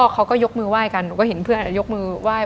เขาก็ยกมือไห้กันหนูก็เห็นเพื่อนยกมือไหว้